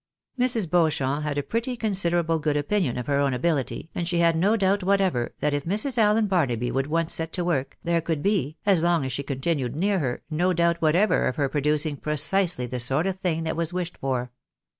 Mrs. Beauchamp had a pretty considerable good opinion of her own ability, and she had no doubt whatever that if Mrs. AUen Barnaby would once set to work, there could be (as long as she continued near her) no doubt what ever of her producing precisely the sort of thing that was wished for.